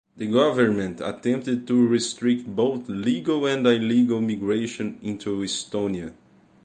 The government attempted to restrict both legal and illegal migration into Estonia.